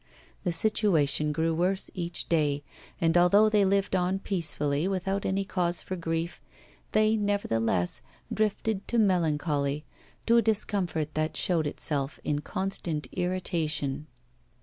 The situation grew worse each day, and although they lived on peacefully without any cause for grief, they, nevertheless, drifted to melancholy, to a discomfort that showed itself in constant irritation.